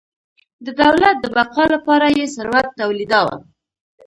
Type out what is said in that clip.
د دولت د بقا لپاره یې ثروت تولیداوه.